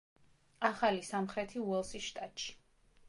ახალი სამხრეთი უელსის შტატში.